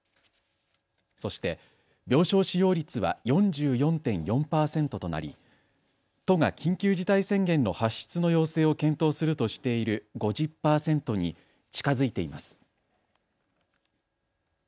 そして病床使用率は４４．４％となり都が緊急事態宣言の発出の要請を検討するとしている５０％に近づいています。